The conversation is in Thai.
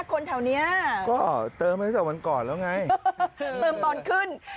คนแถวนี้ก็เติมมาตั้งแต่วันก่อนแล้วไงเติมตอนขึ้น